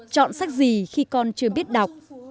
chọn sách gì khi con chưa biết đọc